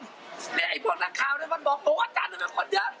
นี่ปกตินักคราวนึกอาจารย์เลยแล้วคำบอกบอกว่าชาร์จามันเป็นคนเยอะ